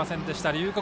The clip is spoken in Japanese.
龍谷